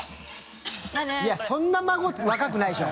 そんな孫若くないでしょ。